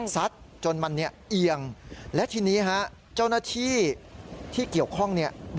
ซัดจนมันเอียงและทีนี้เจ้าหน้าที่ที่เกี่ยวข้อง